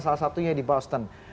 salah satunya di boston